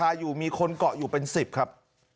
อยู่มีคนเกาะอยู่เป็น๑๐ครับ